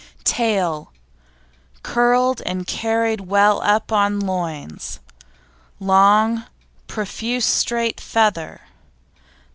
TAIL Curled and carried well up on loins; long, profuse straight feather.